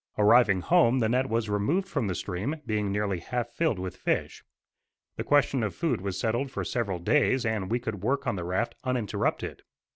Arriving home the net was removed from the stream, being nearly half filled with fish. The question of food was settled for several days, and we could work on the raft uninterrupted.